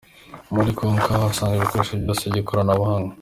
Muri Konka uhasanga ibikoresho byose by'ikoranabuhanga.